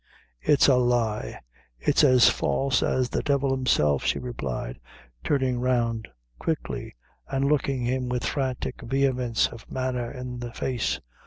"It's a lie it's as false as the devil himself," she replied, turning round quickly, and looking him with frantic vehemence of manner in the face.